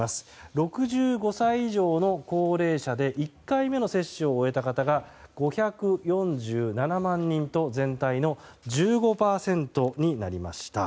６５歳以上の高齢者で１回目の接種を終えた方が５４７万人と全体の１５％になりました。